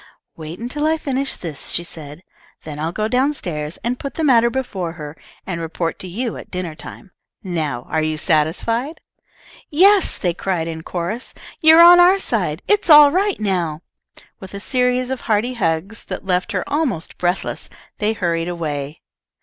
"Wait until I finish this," she said. "Then I'll go down stairs and put the matter before her, and report to you at dinner time. Now are you satisfied?" "Yes," they cried in chorus, "you're on our side. It's all right now!" With a series of hearty hugs that left her almost breathless, they hurried away.